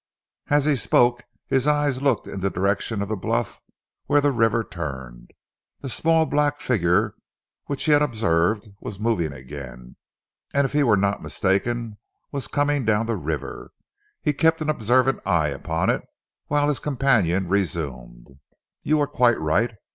As he spoke his eyes looked in the direction of the bluff where the river turned. The small black figure which he had observed was moving again, and if he were not mistaken was coming down the river. He kept an observant eye upon it, whilst his companion resumed. "You are quite right.